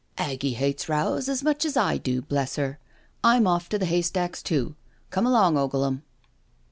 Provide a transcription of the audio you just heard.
" Aggie hates rows as much as I do, bless her. I'm off to the haystack too. Come along, Ogleham.